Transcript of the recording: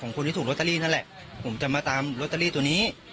ของคุณที่ถูกโรตเตอรี่นัดแหละผมจะมาตามโรตเตอรี่ตัวนี้